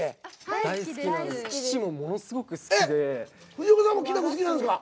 藤岡さんもきな粉好きなんですか？